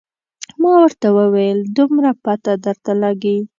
ما ورته وویل دومره پته درته لګي.